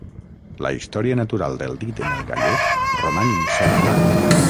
La història natural del dit en el gallet roman incerta.